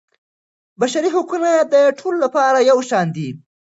بشري حقونه د ټولو لپاره یو شان دي.